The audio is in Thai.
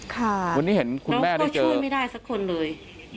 แล้วก็ช่วยไม่ได้สักคนเลย